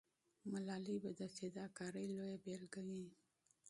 ملالۍ به د فداکارۍ لویه بیلګه وي.